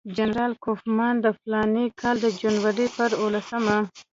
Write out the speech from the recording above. جنرال کوفمان د فلاني کال د جنوري پر اووه لسمه.